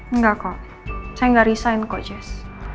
enggak kok saya gak resign kok jess